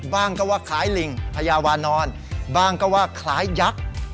บ้างก็ว่าคล้ายลิงพญาวานอนบ้างก็ว่าคล้ายยักษ์